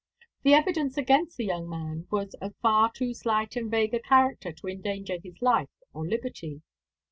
The evidence against the young man was of far too slight and vague a character to endanger his life or liberty.